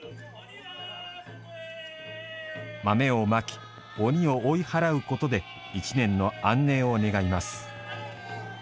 豆をまき、鬼を追い払うことで一年の安寧を願います。